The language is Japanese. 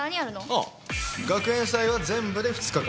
ああ学園祭は全部で２日間。